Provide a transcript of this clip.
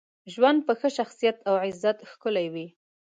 ژوند په ښه شخصیت او عزت ښکلی وي.